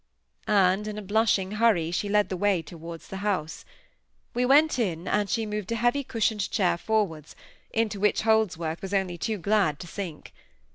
And in a blushing hurry she led the way towards the house. We went in, and she moved a heavy cushioned chair forwards, into which Holdsworth was only too glad to sink.